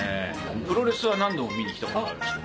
プロレスは何度も見に来たことあるんですけど。